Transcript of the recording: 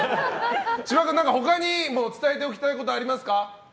千葉君、他に伝えておきたいことありますか？